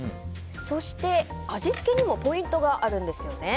そして、味付けにもポイントがあるんですよね。